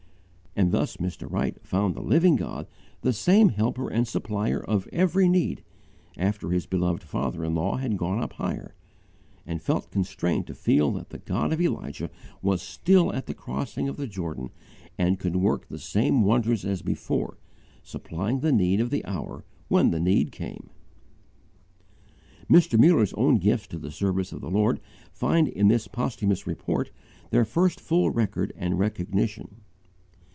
And thus Mr. Wright found the Living God the same Helper and Supplier of every need, after his beloved father in law had gone up higher; and felt constrained to feel that the God of Elijah was still at the crossing of the Jordan and could work the same wonders as before, supplying the need of the hour when the need came. Mr. Muller's own gifts to the service of the Lord find in this posthumous report their first full record and recognition.